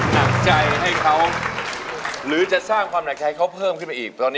เลือกแผ่นที่๔เพราะ